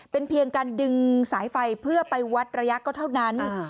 เป็นเพียงการดึงสายไฟเพื่อไปวัดระยะก็เท่านั้น